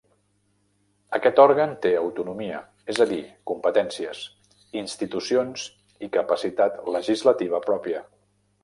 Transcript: Aquest òrgan té autonomia, és a dir, competències, institucions i capacitat legislativa pròpia.